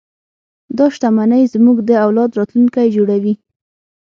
دا شتمنۍ زموږ د اولاد راتلونکی جوړوي.